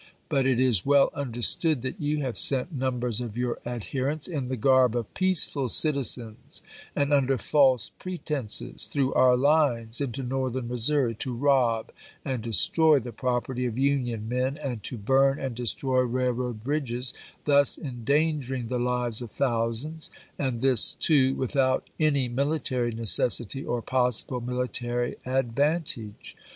But it is well understood that you have sent numbers of your adherents, in the garb of peaceful citizens and under false pretenses, through our Hues into Northern Missouri, to rob and destroy the property of Union men and to burn and destroy railroad bridges, thus endangering the lives of thousands, and this, too, without any mihtary necessity or possible military advantage.